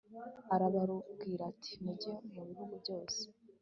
arababwira ati mujye mu bihugu byose